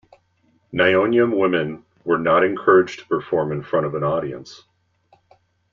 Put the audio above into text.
Nyonya women were not encouraged to perform in front of an audience.